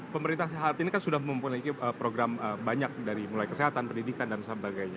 pemerintah sehat ini kan sudah mempunyai program banyak dari mulai kesehatan pendidikan dan sebagainya